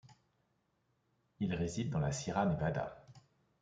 Il réside dans la Sierra Nevada.